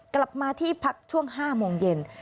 กลับมาที่พักช่วง๕โมงเย็น